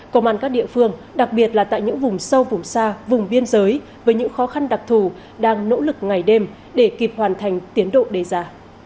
công an các địa phương đặc biệt là tại những vùng sâu vùng xa vùng biên giới với những khó khăn đặc thù đang nỗ lực ngày đêm để kịp hoàn thành tiến độ đề ra